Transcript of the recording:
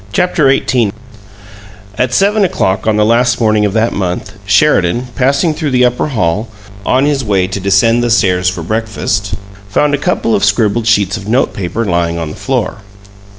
CHAPTER XVIII At seven o'clock on the last morning of that month, Sheridan, passing through the upper hall on his way to descend the stairs for breakfast, found a couple of scribbled sheets of note paper lying on the floor.